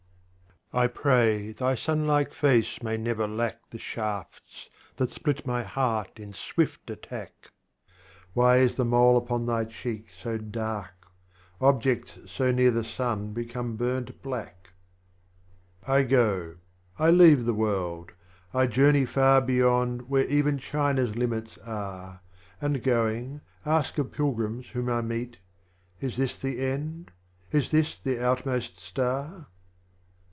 I pray thy Sun like face may never lack The Shafts that split my Heart in swift Attack : Why is the mole upon thy cheek so dark ? Objects so near the sun become burnt black. 54. I go â€" I leave the AYorld â€" I journey far Bevond where even China's limits are, And going, ask of Pilgrims whom I meet, " Is this the End ? Is this the Outmost Star